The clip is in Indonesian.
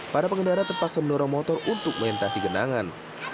para pengendara terpaksa menerobos motor untuk menghentasi genangan